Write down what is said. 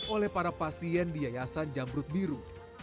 oleh para pasien di yayasan jamrut biru